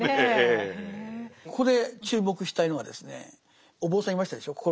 ここで注目したいのはですねお坊さんいましたでしょう。